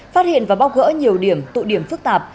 phát hiện và bóc gỡ nhiều điểm tụ điểm phức tạp